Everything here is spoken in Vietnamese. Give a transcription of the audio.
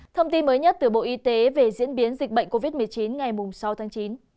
thông tin mới nhất từ bộ y tế về diễn biến dịch bệnh covid một mươi chín ngày sáu tháng chín